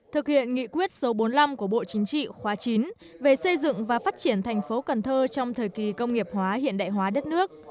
thực hiện nghị quyết số bốn mươi năm của bộ chính trị khóa chín về xây dựng và phát triển thành phố cần thơ trong thời kỳ công nghiệp hóa hiện đại hóa đất nước